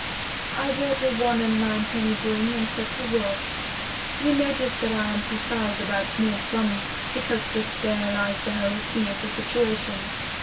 I bought a one and ninepenny broom and set to work. You notice that I am precise about small sums, because just there lies the whole key of the situation.